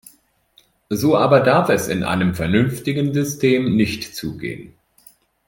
So aber darf es in einem vernünftigen System nicht zugehen.